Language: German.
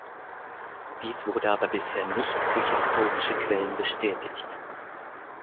Dies wurde aber bisher nicht durch historische Quellen bestätigt.